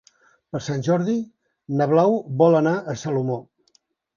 Per Sant Jordi na Blau vol anar a Salomó.